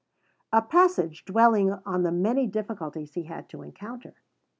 [A passage dwelling on the many difficulties he had to encounter.